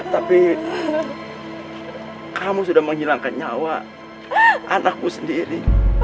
tapi kamu sudah menghilangkan nyawa anakku sendiri